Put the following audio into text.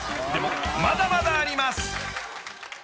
［でもまだまだあります］